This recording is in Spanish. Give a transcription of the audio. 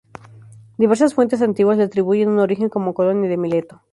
Diversas fuentes antiguas le atribuyen un origen como colonia de Mileto.